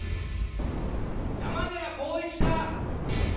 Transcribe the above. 山寺宏一か？